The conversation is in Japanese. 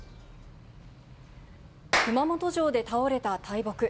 熊本城で倒れた大木。